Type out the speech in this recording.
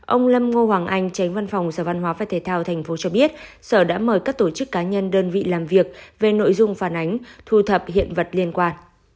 ông lâm ngô hoàng anh tránh văn phòng sở văn hóa và thể thao tp cho biết sở đã mời các tổ chức cá nhân đơn vị làm việc về nội dung phản ánh thu thập hiện vật liên quan